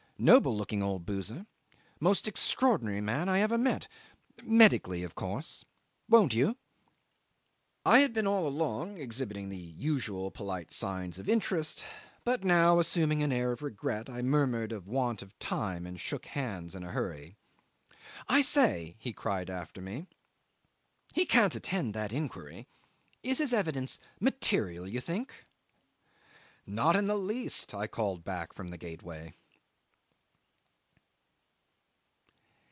Noble looking old boozer. Most extraordinary man I ever met medically, of course. Won't you?" 'I have been all along exhibiting the usual polite signs of interest, but now assuming an air of regret I murmured of want of time, and shook hands in a hurry. "I say," he cried after me; "he can't attend that inquiry. Is his evidence material, you think?" '"Not in the least," I called back from the gateway.